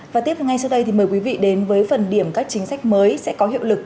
và tiếp ngay sau đây thì mời quý vị đến với phần điểm các chính sách mới sẽ có hiệu lực